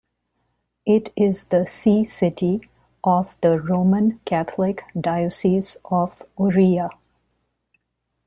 It is the see city of the Roman Catholic Diocese of Oria.